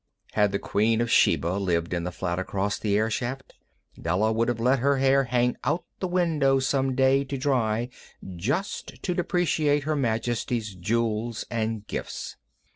Had the queen of Sheba lived in the flat across the airshaft, Della would have let her hair hang out the window some day to dry just to depreciate Her Majesty's jewels and gifts.